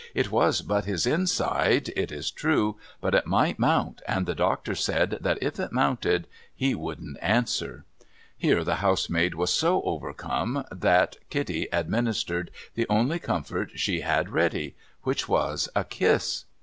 It was but his inside, it is true, but it might mount, and the doctor said that if it mounted he wouldn't answer.' Here the housemaid was so overcome that Kitty administered the only comfort she had ready : which was a kiss.